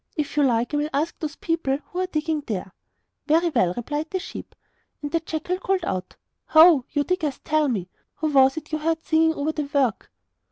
If you like, I will ask those people who are digging there!' 'Very well,' replied the sheep. And the jackal called out: 'Ho! You diggers, tell me: Who was it you heard singing over the work?